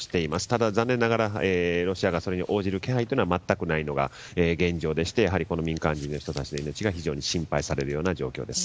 ただ残念ながらロシアがそれに応じる気配が全くないのが現状でしてこの民家人の人たちがかなり心配な状況です。